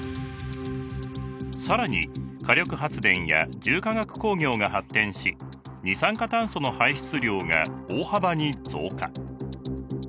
更に火力発電や重化学工業が発展し二酸化炭素の排出量が大幅に増加。